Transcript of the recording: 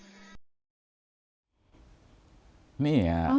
ขอบคุณมากครับขอบคุณมากครับ